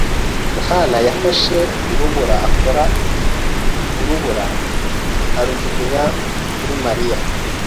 yohani yafashe urubura, akora urubura arajugunya kuri Mariya.